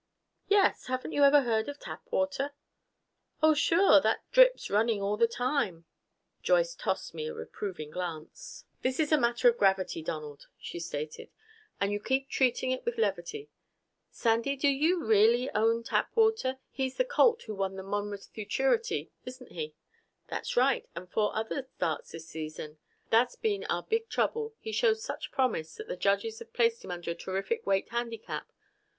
"Yes. Haven't you ever heard of Tapwater?" "Oh, sure! That drip's running all the time!" Joyce tossed me a reproving glance. "This is a matter of gravity, Donald," she stated, "and you keep treating it with levity. Sandy, do you really own Tapwater? He's the colt who won the Monmouth Futurity, isn't he?" "That's right. And four other starts this season. That's been our big trouble. He shows such promise that the judges have placed him under a terrific weight handicap.